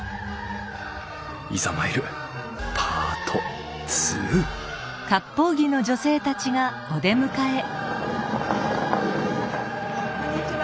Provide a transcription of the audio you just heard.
いざ参るパート２こんにちは。